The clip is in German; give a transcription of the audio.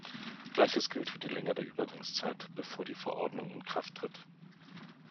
Gleiches gilt für die Länge der Übergangszeit, bevor die Verordnung in Kraft tritt.